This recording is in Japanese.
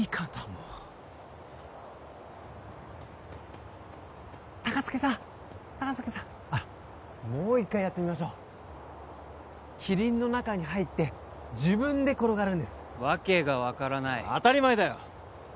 もう高槻さん高槻さんもう一回やってみましょうキリンの中に入って自分で転がるんですわけが分からない当たり前だよ！